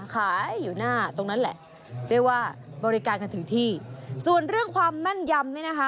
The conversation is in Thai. ขายอยู่หน้าตรงนั้นแหละเรียกว่าบริการกันถึงที่ส่วนเรื่องความแม่นยำนี่นะคะ